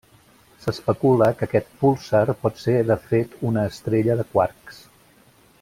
S'especula que aquest púlsar pot ser de fet una estrella de quarks.